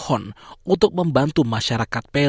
untuk membantu masyarakat di indonesia